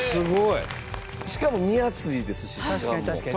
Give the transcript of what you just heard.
高橋：しかも見やすいですし、時間も。